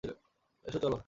এসো, চলো।